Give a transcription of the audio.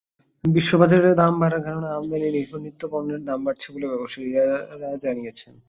বিশ্ববাজারে দাম বাড়ার কারণে আমদানিনির্ভর নিত্যপণ্যের দাম বাড়ছে বলে ব্যবসায়ীরা জানিয়েছেন।